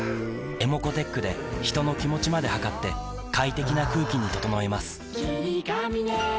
ｅｍｏｃｏーｔｅｃｈで人の気持ちまで測って快適な空気に整えます三菱電機